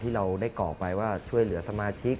เราได้กรอกไปว่าช่วยเหลือสมาชิก